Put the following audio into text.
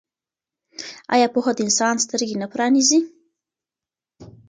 آیا پوهه د انسان سترګې نه پرانیزي؟